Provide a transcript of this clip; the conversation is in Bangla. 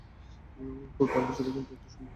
খুব ঠান্ডা ছিল, কিন্তু একটি সুন্দর অনুভূতি।